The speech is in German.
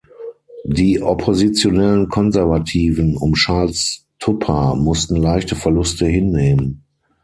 Die oppositionellen Konservativen um Charles Tupper mussten leichte Verluste hinnehmen.